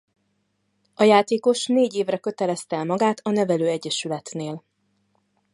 A játékos négy évre kötelezte el magát a nevelőegyesületénél.